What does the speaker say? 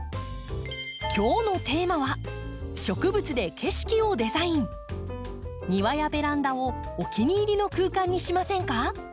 今日のテーマは庭やベランダをお気に入りの空間にしませんか？